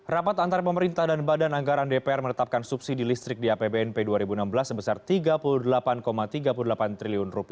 rapat antara pemerintah dan badan anggaran dpr menetapkan subsidi listrik di apbnp dua ribu enam belas sebesar rp tiga puluh delapan tiga puluh delapan triliun